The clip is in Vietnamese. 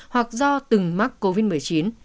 hoặc do từng mắc covid một mươi chín